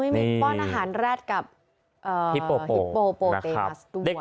ไม่มีป้อนอาหารแรดกับฮิปโปโปเตมัสด้วย